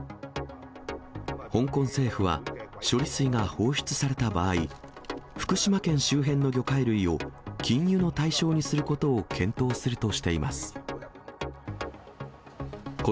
香港政府は、処理水が放出された場合、福島県周辺の魚介類を、禁輸の対象にすることを検討するとしています。